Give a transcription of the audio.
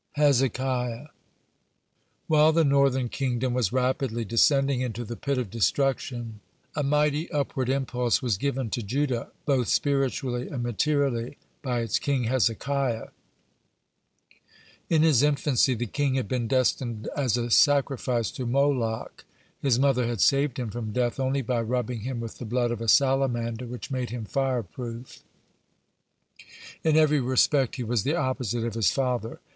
(46) HEZEKIAH While the northern kingdom was rapidly descending into the pit of destruction, a mighty upward impulse was given to Judah, both spiritually and materially, by its king Hezekiah. In his infancy the king had been destined as a sacrifice to Moloch. His mother had saved him from death only by rubbing him with the blood of a salamander, which made him fire proof. (47) In every respect he was the opposite of his father.